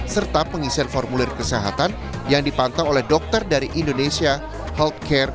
serta pengisian formulir kesehatan yang dipantau oleh dokter dari indonesia healthcare